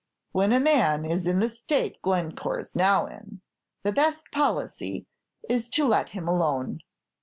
"When a man is in the state Glencore is now in, the best policy is to let him alone.